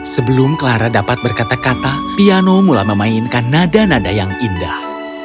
sebelum clara dapat berkata kata piano mulai memainkan nada nada yang indah